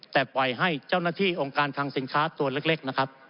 แต่ปล่อยให้เจ้าหน้าที่องค์การคังสินค้าตัวเล็กนะครับ